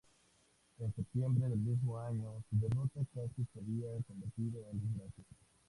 En septiembre del mismo año, su derrota casi se había convertido en desgracia.